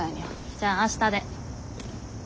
じゃあ明日で。